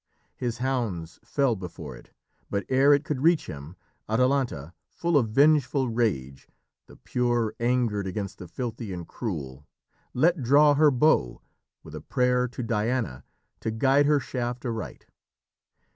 His hounds fell before it, but ere it could reach him, Atalanta, full of vengeful rage the pure angered against the filthy and cruel let draw her bow, with a prayer to Diana to guide her shaft aright.